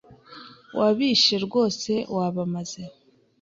Wabishe rwose wabamaze.